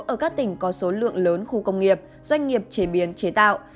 ở các tỉnh có số lượng lớn khu công nghiệp doanh nghiệp chế biến chế tạo